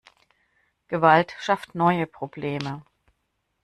Gewalt schafft neue Probleme.